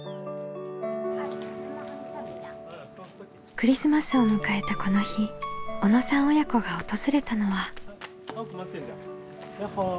クリスマスを迎えたこの日小野さん親子が訪れたのは。